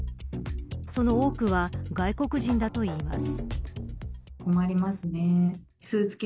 その多くは外国人だといいます。